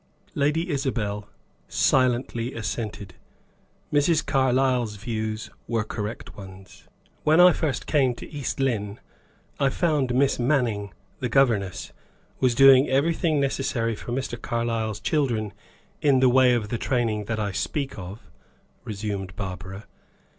Lady Isabel silently assented. Mrs. Carlyle's views were correct ones. "When I first came to East Lynne I found Miss Manning, the governess, was doing everything necessary for Mr. Carlyle's children in the way of the training that I speak of," resumed Barbara.